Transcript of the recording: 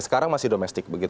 sekarang masih domestik